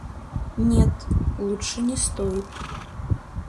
Нет, лучше не стоит.